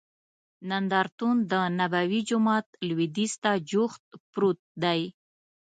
نندارتون دنبوي جومات لوید یځ ته جوخت پروت دی.